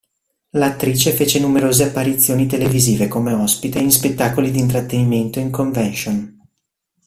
L'attrice fece numerose apparizioni televisive come ospite in spettacoli di intrattenimento e in convention.